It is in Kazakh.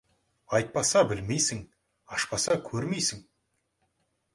Айтпаса, білмейсің, ашпаса, көрмейсің.